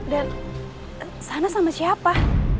dan sahnas sama siapa